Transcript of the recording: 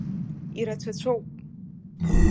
Ирацәацәоуп.